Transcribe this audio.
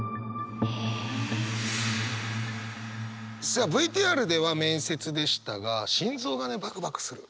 さあＶＴＲでは面接でしたが心臓がねバクバクする。